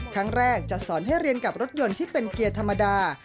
ครั้งแรกจะสอนให้เรียนกับรถยนต์ที่เป็นเกียร์ธรรมดา